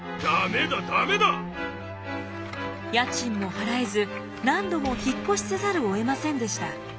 家賃も払えず何度も引っ越しせざるをえませんでした。